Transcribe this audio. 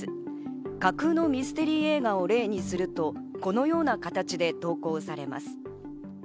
架空のミステリー映画を例にすると、このような形で投稿されます。